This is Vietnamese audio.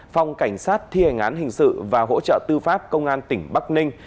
phòng cảnh sát thi hành án hình sự và hỗ trợ tư pháp công an tỉnh bắc ninh